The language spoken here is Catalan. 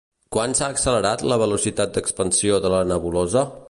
Quan s'ha accelerat la velocitat d'expansió de la nebulosa?